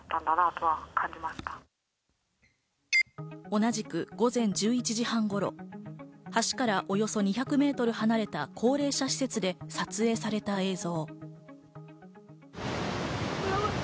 同じく午前１１時半頃、橋からおよそ２００ｍ離れた高齢者施設で撮影された映像。